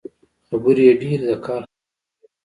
خبرې يې ډېرې د کار خبرې وې.